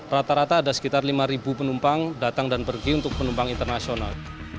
rata rata ada sekitar lima penumpang datang dan pergi untuk penumpang internasional